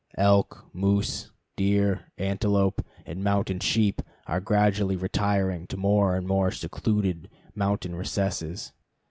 Elk, moose, deer, antelope, and mountain sheep are gradually retiring to more and more secluded mountain recesses.